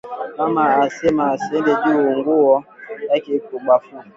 Mama asema asiende ju nguwo yake iko buchafu